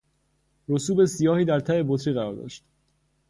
رسوب سیاهی در ته بطری قرار داشت.